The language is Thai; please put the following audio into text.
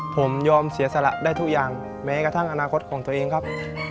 ผมยอมเสียสละได้ทุกอย่างแม้กระทั่งอนาคตของตัวเองครับ